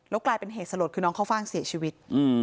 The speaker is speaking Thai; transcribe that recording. กลายเป็นเหตุสลดคือน้องข้าวฟ่างเสียชีวิต